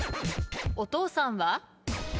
お父さんは？